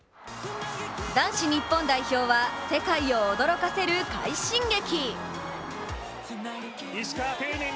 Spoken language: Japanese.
男子日本代表は、世界を驚かせる快進撃。